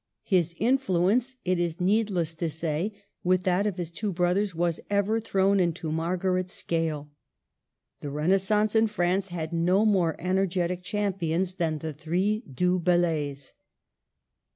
His influence, it is needless to say, with that of his two brothers, was ever thrown into Margaret's scale. The Renaissance in France had no more energetic champions than the three Du Bellays.